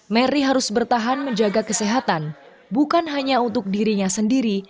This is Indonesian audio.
mary harus bertahan menjaga kesehatan bukan hanya untuk dirinya sendiri